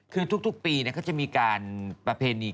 คือทุกปีเขาจะมีการประเพณี